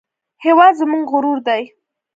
هېواد زموږ غرور دی